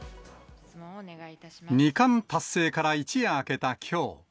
２冠達成から一夜明けたきょう。